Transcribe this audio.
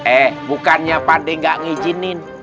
eh bukannya pak d gak ngijinin